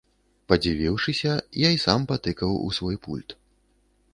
Падзівіўшыся, я і сам патыкаў у свой пульт.